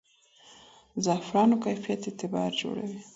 د زعفرانو کیفیت اعتبار جوړوي.